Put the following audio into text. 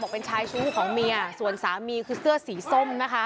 เป็นชายชู้ของเมียส่วนสามีคือเสื้อสีส้มนะคะ